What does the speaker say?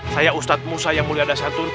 saya ustadz musa yang mulia dasar tuntun